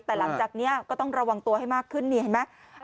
แต่หลังจากนี้ก็ต้องระวังตัวให้มากขึ้นนี่เห็นไหม